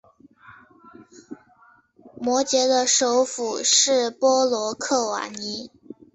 摩羯的首府是波罗克瓦尼。